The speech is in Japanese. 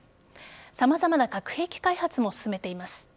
様々な核兵器開発も進めています。